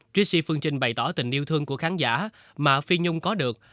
tracy phương trình bày tỏ tình yêu thương của khán giả mà phi nhung có được